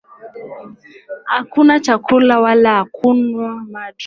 hakula chakula wala hakunywa maji Naye akaandika katika hizo mbao hayo maneno ya maagano